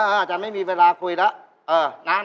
อาจารย์ไม่มีเวลาคุยแล้ว